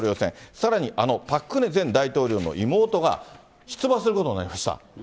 さらにあのパク・クネ前大統領の妹が、出馬することになりました。